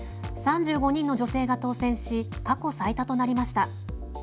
３５人の女性が当選し過去最多となりました。